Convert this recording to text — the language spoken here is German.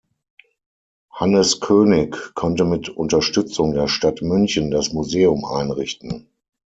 Hannes König konnte mit Unterstützung der Stadt München das Museum einrichten.